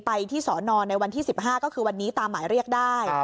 ไปที่สอนอนในวันที่๑๕ก็คือวันนี้ตามหมายเรียกได้